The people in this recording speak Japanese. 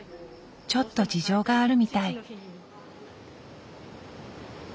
ちょっと事情があるみたい。